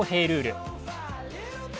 ルール。